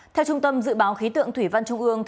theo trung tâm dự báo khí tượng thủy văn trung ương